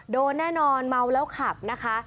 โดนแน่นอนเมาแล้วขับนะคะ